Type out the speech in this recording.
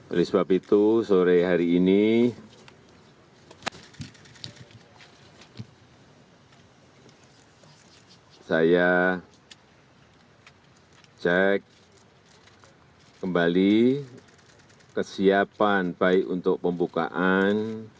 oleh sebab itu sore hari ini saya cek kembali kesiapan baik untuk pembukaan